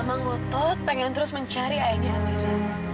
mama ngotot pengen terus mencari ayahnya amira